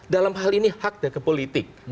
dalam hal ini hak dan kepolitik